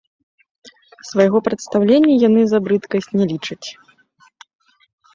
Свайго прадстаўлення яны за брыдкасць не лічаць.